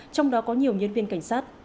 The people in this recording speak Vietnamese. trong đó có nhiều nhân viên cảnh sát